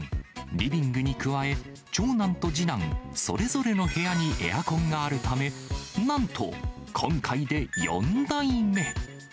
リビングに加え、長男と次男、それぞれの部屋にエアコンがあるため、なんと、今回で４台目。